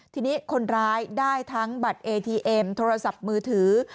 ทีนี้คนร้ายได้ทั้งบัตรเอทีเอ็มโทรศัพท์มือถือ